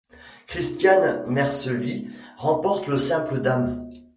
Christiane Mercelis remporte le simple dames.